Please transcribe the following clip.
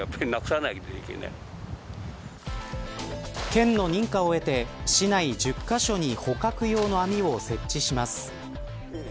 県の認可を得て市内１０カ所に捕獲用の網を設置します。